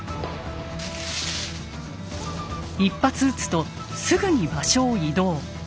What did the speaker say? １発撃つとすぐに場所を移動。